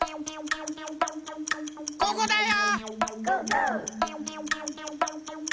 ここだよ！